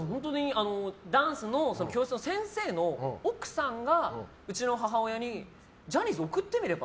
ダンスの教室の先生の奥さんがうちの母親にジャニーズ送ってみれば？